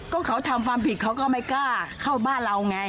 ก็เขาทำความผิดเขาก็ไม่กล้าเข้าบ้านเราไง